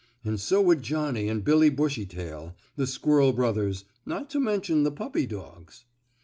And so would Johnnie and Billie Bushytail, the squirrel brothers, not to mention the puppy dogs."